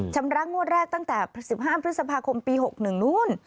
ชำระงวดแรกตั้งแต่๑๕พฤษภาคมปี๖๑นู้น